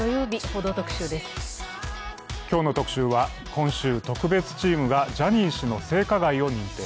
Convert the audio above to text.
今日の特集は、今週特別チームがジャニー氏の性加害を認定。